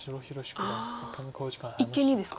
ああ一間にですか。